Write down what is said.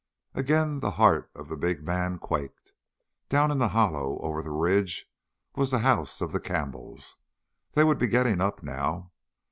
Again the heart of the big man quaked. Down in the hollow, over that ridge, was the house of the Campbells. They would be getting up now.